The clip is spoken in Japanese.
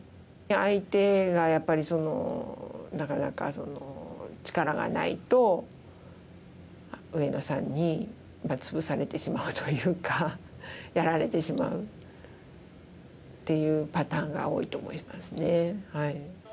相手がやっぱりなかなか力がないと上野さんにツブされてしまうというかやられてしまうっていうパターンが多いと思いますね。